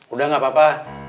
udah gak apa apa